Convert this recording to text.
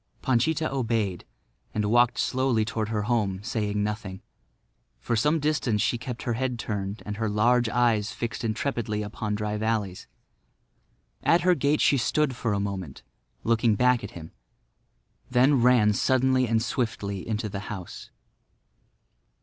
Panchita obeyed and walked slowly toward her home, saying nothing. For some distance she kept her head turned and her large eyes fixed intrepidly upon Dry Valley's. At her gate she stood for a moment looking back at him, then ran suddenly and swiftly into the house.